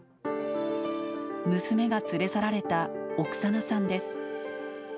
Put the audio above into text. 娘が連れ去られたオクサナさんです。